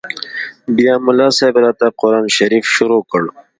بيا ملا صاحب راته قران شريف شروع کړ.